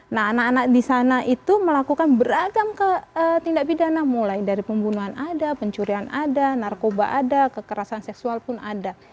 nah anak anak di sana itu melakukan beragam tindak pidana mulai dari pembunuhan ada pencurian ada narkoba ada kekerasan seksual pun ada